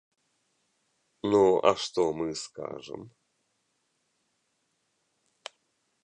Ну, а што мы скажам?